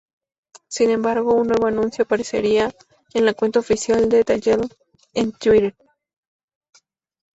Sin embargo, un nuevo anuncio aparecería en la cuenta oficial de Telltale en Twitter.